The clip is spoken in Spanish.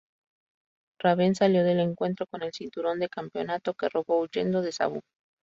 Raven salió del encuentro con el cinturón de campeonato que robó, huyendo de Sabu.